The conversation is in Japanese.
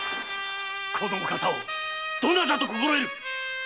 このお方をどなたと心得る！